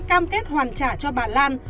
cam kết hoàn trả cho bà lan